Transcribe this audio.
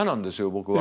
僕は。